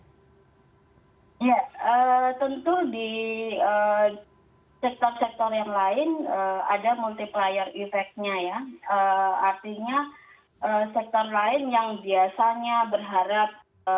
ya tentu di sektor sektor yang berharap